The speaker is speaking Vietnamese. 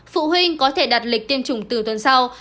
phụ huynh có thể đặt lịch tiêm chủng từ tuần sau